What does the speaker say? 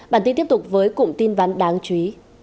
bản tin tiếp tục với cụm tin ván đáng chú ý